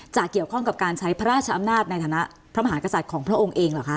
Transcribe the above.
เกี่ยวข้องกับการใช้พระราชอำนาจในฐานะพระมหากษัตริย์ของพระองค์เองเหรอคะ